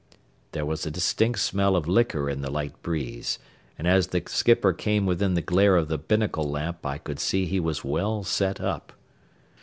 There was a distinct smell of liquor in the light breeze, and as the skipper came within the glare of the binnacle lamp I could see he was well set up.